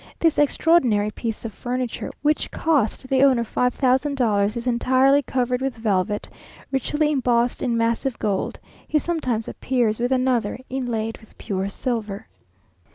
This extraordinary piece of furniture, which cost the owner five thousand dollars, is entirely covered with velvet, richly embossed in massive gold; he sometimes appears with another, inlaid with pure silver.